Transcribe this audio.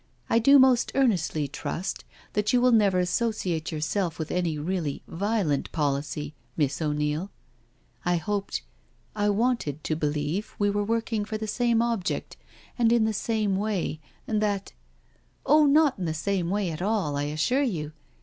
" I do most earnestly trust that you will never associate yourself with any really violent policy. Miss O'Neil. I hoped— I wanted to believe we were working for the same object and in the same way— and that .•.'*" Oh, not in the same way at all, I assure you."